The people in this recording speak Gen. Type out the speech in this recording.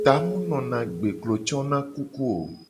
Ta mu nona agbe, klo cona kuku o.